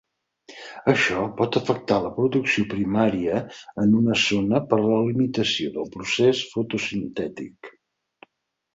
Això pot afectar la producció primària en una zona per la limitació del procés fotosintètic.